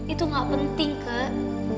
itu gak penting kak